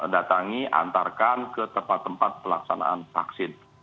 datangi antarkan ke tempat tempat pelaksanaan vaksin